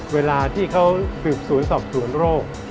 เวลาที่เขาฝึกศูนย์สอบศูนย์โรค